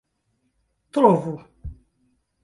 trovu